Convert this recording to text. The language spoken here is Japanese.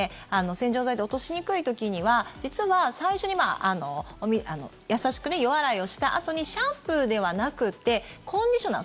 洗浄剤で落としにくい時には実は最初に優しく予洗いをしたあとにシャンプーではなくてコンディショナー